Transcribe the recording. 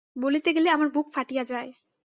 বলিতে গেলে আমার বুক ফাটিয়া যায়।